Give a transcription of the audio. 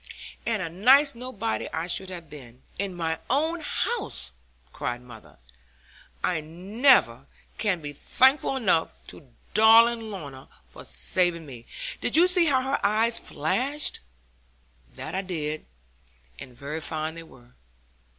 'And a nice nobody I should have been, in my own house!' cried mother: 'I never can be thankful enough to darling Lorna for saving me. Did you see how her eyes flashed?' 'That I did; and very fine they were.